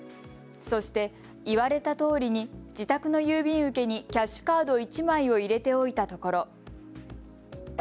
そして言われたとおりに自宅の郵便受けにキャッシュカード１枚を入れておいたところ。